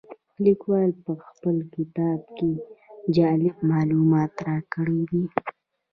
لیکوال په خپل کتاب کې جالب معلومات راکړي دي.